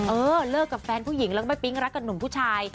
เออเลิกกับแฟนผู้หญิงแล้วก็ไม่ปิ๊งรักกับหนุ่มผู้ชาย